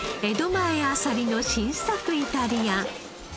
前あさりの新作イタリアン。